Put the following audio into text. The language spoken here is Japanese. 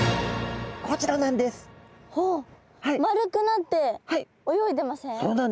丸くなって泳いでません？